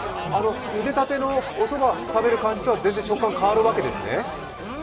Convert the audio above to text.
ゆでたてのおそばを食べるのとは食感が全然変わるわけですね。